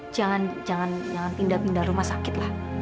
jangan jangan jangan pindah rumah sakit lah